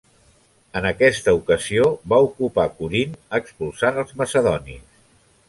En aquesta ocasió va ocupar Corint expulsant als macedonis.